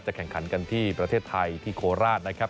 แข่งขันกันที่ประเทศไทยที่โคราชนะครับ